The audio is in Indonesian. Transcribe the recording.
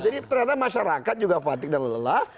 jadi ternyata masyarakat juga fatig dan lelah